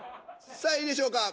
さあいいでしょうか。